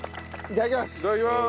いただきます。